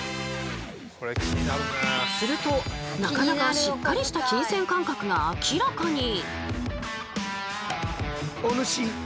するとなかなかしっかりした金銭感覚が明らかに！